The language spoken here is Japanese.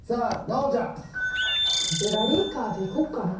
奈央ちゃんラリーカーでいこっかな